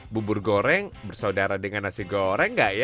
bubur goreng bersaudara dengan nasi goreng gak ya